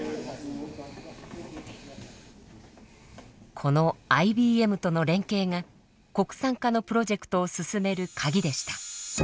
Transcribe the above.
このＩＢＭとの連携が国産化のプロジェクトを進めるカギでした。